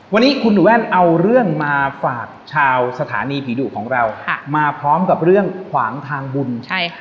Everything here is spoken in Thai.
วันนี้คุณแว่นเอาเรื่องมาฝากชาวสถานีผีดุของเรามาพร้อมกับเรื่องขวางทางบุญ